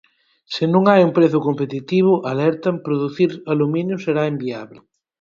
Se non hai un prezo competitivo, alertan, producir aluminio será inviable.